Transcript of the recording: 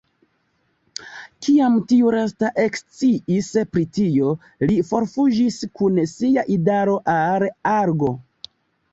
Kiam tiu lasta eksciis pri tio, li forfuĝis kun sia idaro al Argo.